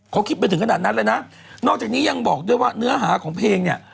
เขาคิดไปถึงขนาดนั้นเลยนะนอกจากนี้ยังบอกด้วยว่าเนื้อหาของเพลงเนี่ย